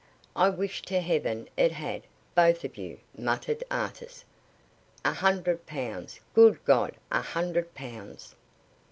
"I wish to Heaven it had both of you," muttered Artis. "A hundred pounds. Good God! A hundred pounds!"